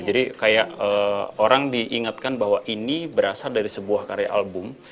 jadi kayak orang diingatkan bahwa ini berasal dari sebuah karya album